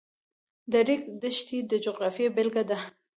د ریګ دښتې د جغرافیې بېلګه ده.